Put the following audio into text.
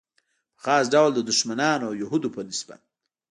په خاص ډول د دښمنانو او یهودو په نسبت.